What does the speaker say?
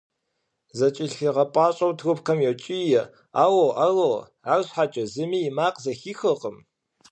ЗэкIэлъигъэпIащIэу трубкэм йокIие: «Алло! Алло!» АрщхьэкIэ зыми и макъ зэхихыркъым.